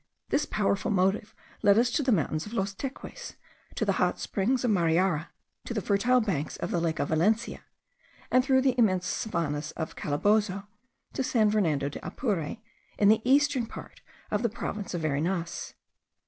This powerful motive led us to the mountains of Los Teques, to the hot springs of Mariara, to the fertile banks of the lake of Valencia, and through the immense savannahs of Calabozo to San Fernando de Apure, in the eastern part of the province of Varinas.